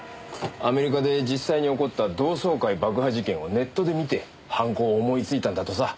アメリカで実際に起こった同窓会爆破事件をネットで見て犯行を思いついたんだとさ。